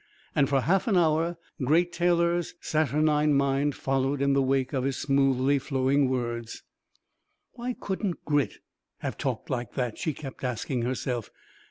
And for half an hour Great Taylor's saturnine mind followed in the wake of his smoothly flowing words. Why couldn't Grit have talked like that? she kept asking herself.